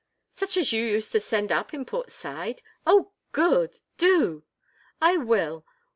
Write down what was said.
"Such as you used to send up in Port Said? Oh good! Do." "I will.